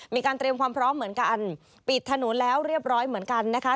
มีการเตรียมความพร้อมเหมือนกันปิดถนนแล้วเรียบร้อยเหมือนกันนะคะ